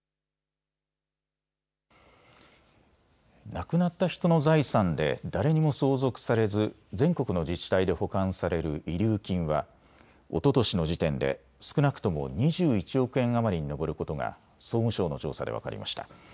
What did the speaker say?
亡くなった人の財産で誰にも相続されず全国の自治体で保管される遺留金はおととしの時点で少なくとも２１億円余りに上ることが総務省の調査で分かりました。